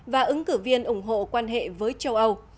và ứng cử viên ủng hộ quan hệ với châu âu